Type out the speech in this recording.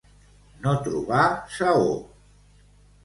No trobar saó.